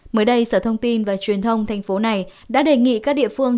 mới đây sở thông tin và truyền thông thành phố này đã đề nghị các địa phương